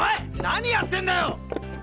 何やってんだよ！